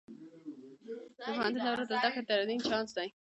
د پوهنتون دوره د زده کړې زرین چانس دی.